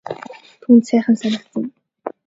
Түүнд сайхан санагдсан.